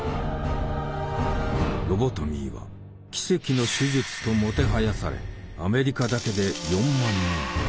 ロボトミーは「奇跡の手術」ともてはやされアメリカだけで４万人。